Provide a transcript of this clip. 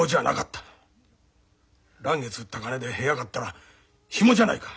嵐月売った金で部屋買ったらヒモじゃないか。